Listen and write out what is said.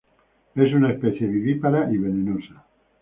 Es una especie vivípara y venenosa.